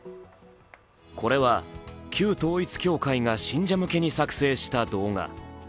これは旧統一教会が信者向けに作成した動画。